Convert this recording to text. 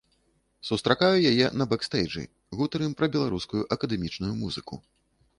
Сустракаю яе на бэкстэйджы, гутарым пра беларускую акадэмічную музыку.